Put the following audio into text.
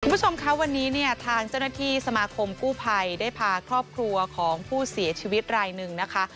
คุณผู้ชมคะวันนี้เนี่ยทางเจ้าหน้าที่สมาคมกู้ภัยได้พาครอบครัวของผู้เสียชีวิตรายหนึ่งนะคะ